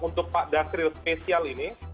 untuk pak dasril spesial ini